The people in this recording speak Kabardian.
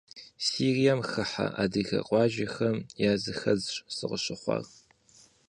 Сирием хыхьэ адыгэ къуажэхэм языхэзщ сыкъыщыхъуар.